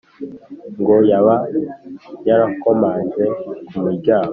Ngo yaba yarakomanze ku muryango